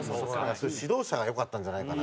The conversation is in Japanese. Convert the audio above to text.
指導者が良かったんじゃないかなみたいなね。